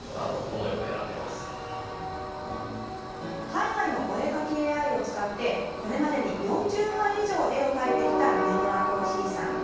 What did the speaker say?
海外のお絵描きＡＩを使ってこれまでに４０枚以上絵を描いてきたミネムラコーヒーさん。